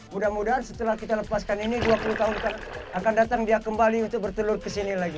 mudah mudahan setelah kita lepaskan ini dua puluh tahun akan datang dia kembali untuk bertelur ke sini lagi